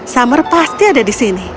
summer pasti ada di sini